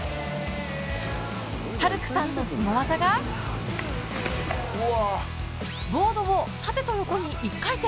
遥句さんのすご技がボードを縦と横に１回転。